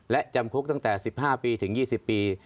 และจำคุกตั้งแต่๑๕ปีถึง๒๐ปี